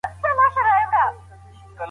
زموږ هڅې به یوه ورځ رنګ راوړي.